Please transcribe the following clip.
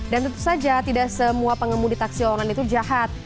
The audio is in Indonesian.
dan tentu saja tidak semua pengemudi taksi orang itu jahat